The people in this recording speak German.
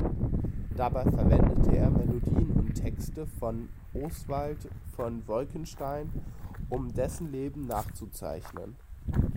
Dabei verwendete er Melodien und Texte von Oswald von Wolkenstein, um dessen Leben nachzuzeichnen.